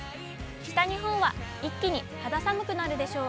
北日本は一気に肌寒くなるでしょう。